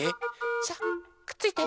さあくっついて！